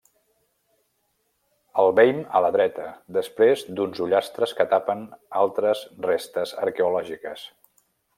El veim a la dreta, després d'uns ullastres que tapen altres restes arqueològiques.